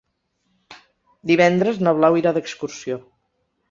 Divendres na Blau irà d'excursió.